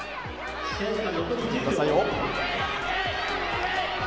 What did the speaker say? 見てくださいよ。